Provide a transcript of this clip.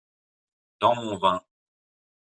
Dans mon vin.